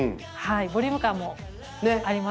ボリューム感もあります。